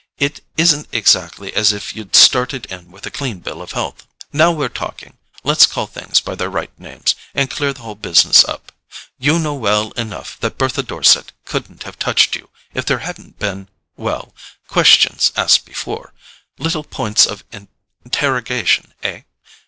It isn't exactly as if you'd started in with a clean bill of health. Now we're talking let's call things by their right names, and clear the whole business up. You know well enough that Bertha Dorset couldn't have touched you if there hadn't been—well—questions asked before—little points of interrogation, eh?